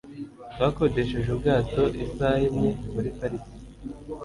Twakodesheje ubwato isaha imwe muri parike.